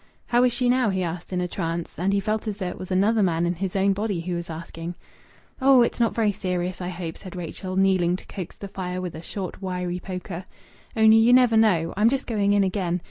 "How is she now?" He asked in a trance. And he felt as though it was another man in his own body who was asking. "Oh! It's not very serious, I hope," said Rachel, kneeling to coax the fire with a short, wiry poker. "Only you never know. I'm just going in again....